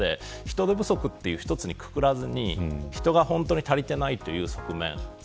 人手不足という一つに括らずに人が本当に足りていないという側面